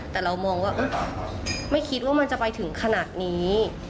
แต่เรามองว่าไม่คิดว่ามันจะไปถึงขนาดนี้